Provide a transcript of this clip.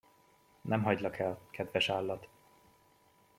Nem hagylak el, kedves állat!